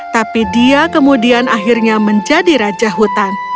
tapi dia kemudian akhirnya menjadi raja hutan